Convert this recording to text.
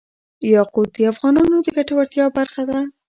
یاقوت د افغانانو د ګټورتیا برخه ده.